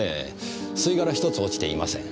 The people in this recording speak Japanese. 吸い殻ひとつ落ちていません。